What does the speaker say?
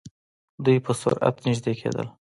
دوئ په سرعت نژدې کېدل.